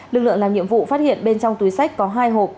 lực lượng làm nhiệm vụ phát hiện bên trong túi sách có hai hộp